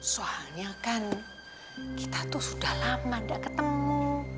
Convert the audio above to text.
soalnya kan kita tuh sudah lama tidak ketemu